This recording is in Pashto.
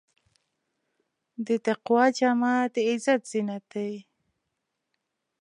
د تقوی جامه د عزت زینت دی.